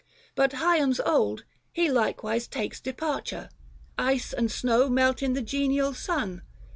But Hiems old He likewise takes departure ; ice and snow 250 Melt in the genial sun.